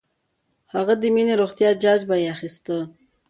هغه د مينې د روغتيا جاج به یې اخيسته